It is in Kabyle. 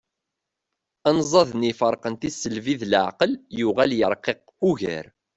Anzaḍ-nni iferqen tisselbi d leεqel yuɣal yerqiq ugar.